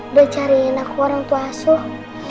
udah cariin aku orang tua asuh